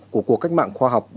của cuộc cách mạng khoa học bốn